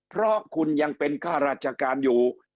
เพราะคุณยังเป็นค่าราชการอยู่